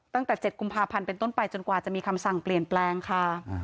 ตั้งแต่๗กุมภาพันธ์เป็นต้นไปจนกว่าจะมีคำสั่งเปลี่ยนแปลงค่ะ